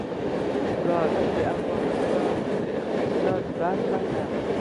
ګاز د افغانستان د اقتصاد برخه ده.